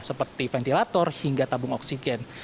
seperti ventilator hingga tabung oksigen